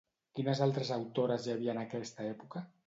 Quines altres autores hi havia en aquesta època?